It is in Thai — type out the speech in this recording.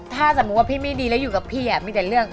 ถ้าสมมุติว่าพี่ไม่ดีแล้วอยู่กับพี่มีแต่เรื่อง